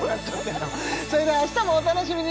それでは明日もお楽しみに！